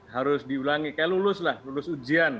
harus diulangi kayak lulus lah lulus ujian